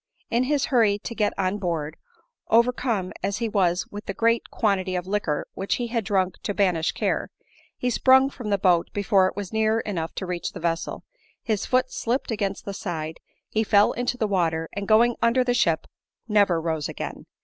In his hurry to get on board, overcome as he was with the great quantity of liquor which he had drunk to banish care, he sprung from the boat before it was near enough to reach the vessel ; his foot slipped against the side, he fell into the water, and going under the ship, never rose again.